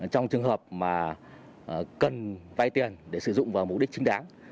trong trường hợp mà cần vay tiền để sử dụng vào mục đích chính đáng